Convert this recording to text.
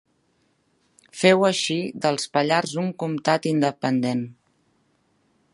Féu així del Pallars un comtat independent.